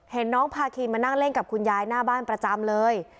เห็นน้องพาคินมานั่งเล่นกับคุณยายหน้าบ้านประจำเลย